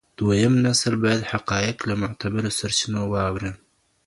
دویم نسل باید حقایق له معتبرو سرچینو واوري.